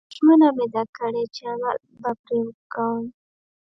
خو ژمنه مې ده کړې چې عمل به پرې کوم